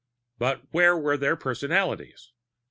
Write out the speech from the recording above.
But where were their personalities?